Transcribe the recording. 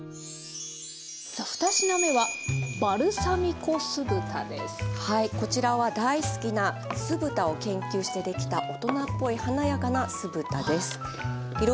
さあ２品目はこちらは大好きな酢豚を研究して出来た大人っぽい華やかな酢豚です。